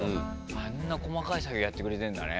あんな細かい作業やってくれてんだね。